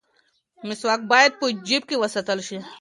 مسواک باید په جیب کې وساتل شي.